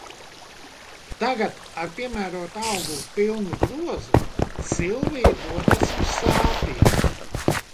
Tagad, ar piemērotu augu pilnu grozu, Silvija dodas uz Sātiem.